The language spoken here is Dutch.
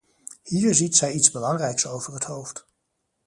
Hier ziet zij iets belangrijks over het hoofd.